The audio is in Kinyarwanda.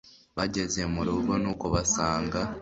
bageze murugo nuko basanga